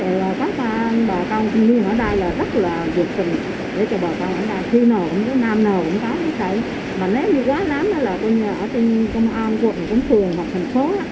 để cho bà con ở đây khi nào cũng có nam nào cũng có mà nếu như quá lắm là ở trên công an quận quận thường thành phố